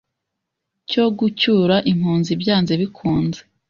cyo gucyura impunzi byanze bikunze